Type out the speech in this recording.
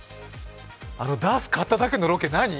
あのダース買っただけのロケ、何！？